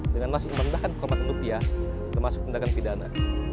dengan masuk pindahkan kompaten rupiah termasuk pindahkan pidana